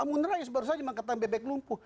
amin rais baru saja mengatakan bebek lumpuh